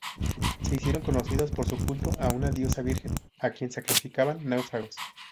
Se hicieron conocidos por su culto a una diosa virgen, a quien sacrificaban náufragos.